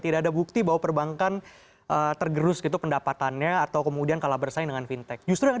tidak ada bukti bahwa perbankan tergerus gitu pendapatannya atau kemudian kalah bersaing dengan fintech justru yang